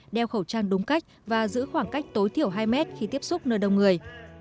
đeo khẩu trang đúng cách và giữ khoảng cách tối thiểu hai mét khi tiếp xúc nơi đông người